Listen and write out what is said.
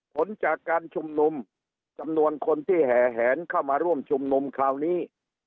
ผลจากการชุมนุมจำนวนคนที่แห่แหนเข้ามาร่วมชุมนุมคราวนี้